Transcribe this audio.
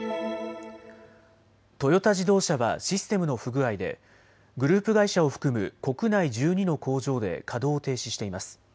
トヨタ自動車はシステムの不具合でグループ会社を含む国内１２の工場で稼働を停止しています。